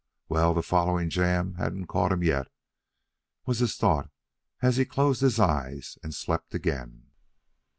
Well, the following jam hadn't caught him yet, was his thought, as he closed his eyes and slept again.